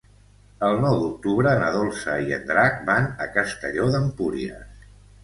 El nou d'octubre na Dolça i en Drac van a Castelló d'Empúries.